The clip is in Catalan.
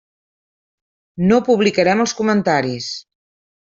No publicarem els comentaris.